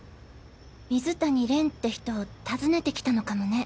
水谷って人を訪ねてきたのかもね。